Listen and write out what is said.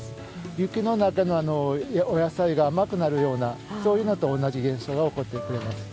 雪の中のお野菜が甘くなるようなそういうのと同じ現象が起こります。